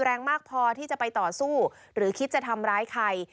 แรงมากพอที่จะไปต่อสู้หรือคิดจะทำร้ายใคร